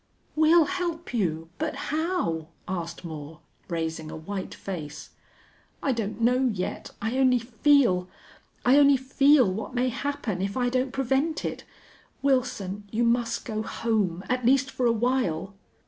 "We'll help you, but how?" asked Moore, raising a white face. "I don't know yet. I only feel I only feel what may happen, if I don't prevent it.... Wilson, you must go home at least for a while."